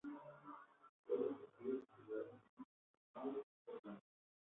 Todos los partidos se jugaron en Amman, Jordania.